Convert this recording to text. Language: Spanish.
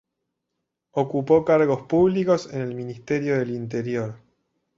Ocupó cargos públicos en el Ministerio del Interior.